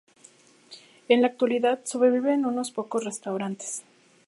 En la actualidad sobreviven unos pocos restaurantes.